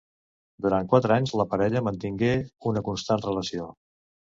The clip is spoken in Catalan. Durant quatre anys, la parella mantingué una constant relació.